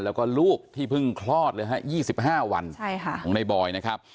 แล้วก็ลูกที่เพิ่งคลอด๒๕วันใช่ค่ะของนายบอยนะครับ